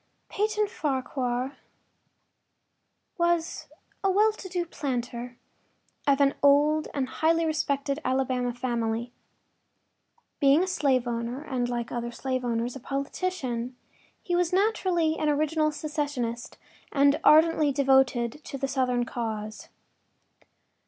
II Peyton Farquhar was a well to do planter, of an old and highly respected Alabama family. Being a slave owner and like other slave owners a politician, he was naturally an original secessionist and ardently devoted to the Southern cause.